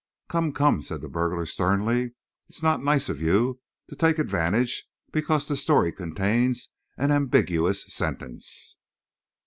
"Come, come!" said the burglar, sternly. "It's not nice of you to take advantage because the story contains an ambiguous sentence.